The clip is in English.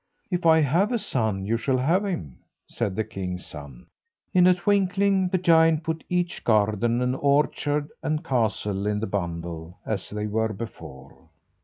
"If I have a son you shall have him," said the king's son. In a twinkling the giant put each garden, and orchard, and castle in the bundle as they were before.